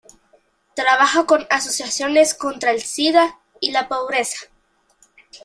Trabaja con asociaciones contra el sida y la pobreza.